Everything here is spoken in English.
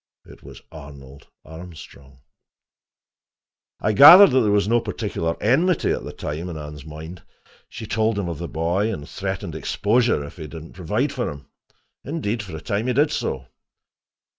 It was Arnold Armstrong. I gathered that there was no particular enmity at that time in Anne's mind. She told him of the boy, and threatened exposure if he did not provide for him. Indeed, for a time, he did so.